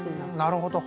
なるほど。